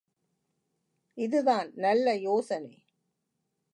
இதுதான் நல்ல யோசனை!